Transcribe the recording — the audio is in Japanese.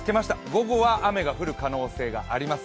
午後は雨が降る可能性があります。